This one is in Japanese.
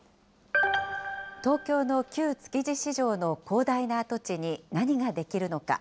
東京の旧築地市場の広大な跡地に何が出来るのか。